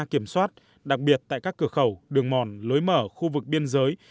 kiểm soát đặc biệt tại các cửa khẩu đường mòn lối mở khu vực biên giới